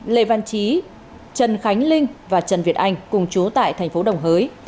lê văn trí trần khánh linh và trần việt anh cùng chú tại thành phố đồng hới